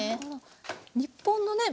日本のね